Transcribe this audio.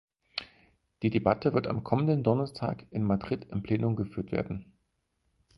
Die Debatte wird am kommenden Donnerstag in Madrid im Plenum geführt werden.